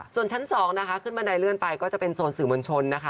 ส่วนชั้น๒นะคะขึ้นบันไดเลื่อนไปก็จะเป็นโซนสื่อมวลชนนะคะ